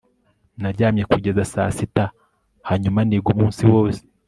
naryamye kugeza saa sita, hanyuma niga umunsi wose